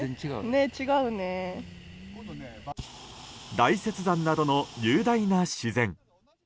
大雪山などの雄大な自然。